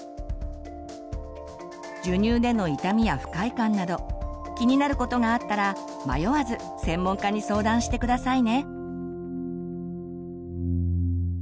授乳での痛みや不快感など気になることがあったら迷わず専門家に相談して下さいね。